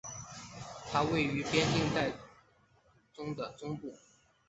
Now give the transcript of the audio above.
它位于边疆带的中部。